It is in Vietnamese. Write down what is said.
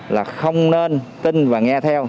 là không nên tin và nghe theo